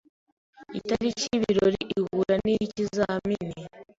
Itariki y'ibirori ihura n'iy'ikizamini.